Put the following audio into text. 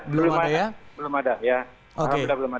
belum ada ya